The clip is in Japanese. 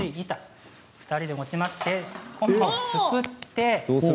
２人で持ちましてすくって。